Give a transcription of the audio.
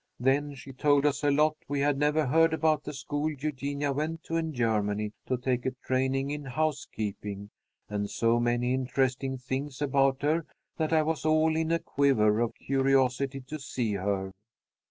Then she told us a lot we had never heard about the school Eugenia went to in Germany to take a training in housekeeping, and so many interesting things about her that I was all in a quiver of curiosity to see her.